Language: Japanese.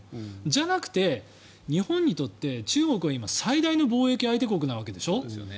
じゃなくて、日本にとって中国は今最大の貿易相手国なわけでしょ。